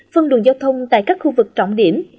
phân đường giao thông tại các khu vực trọng điểm